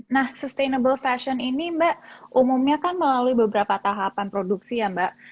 nah sustainable fashion ini mbak umumnya kan melalui beberapa tahapan produksi ya mbak